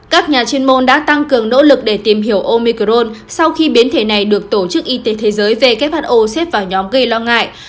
các nhà chuyên môn đã tăng cường nỗ lực để tìm hiểu omicron sau khi bến thể này được tổ chức y tế thế giới về kho xếp vào nhóm gây lo ngại